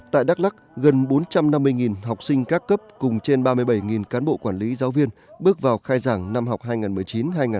tại đắk lắc gần bốn trăm năm mươi học sinh các cấp cùng trên ba mươi bảy cán bộ quản lý giáo viên bước vào khai giảng năm học hai nghìn một mươi chín hai nghìn hai mươi